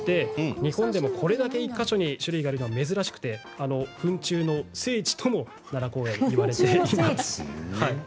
日本でも、これだけ１か所にいるのは珍しく糞虫の聖地とも奈良公園はいわれているんです。